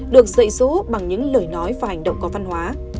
được dạy dỗ bằng những lời nói và hành động có văn hóa